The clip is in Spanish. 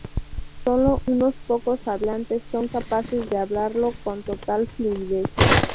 Sólo unos pocos hablantes son capaces de hablarlo con total fluidez.